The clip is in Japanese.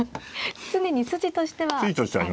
常に筋としては。